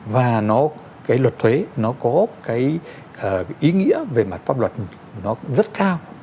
và cái luật thuế nó có cái ý nghĩa về mặt pháp luật nó rất cao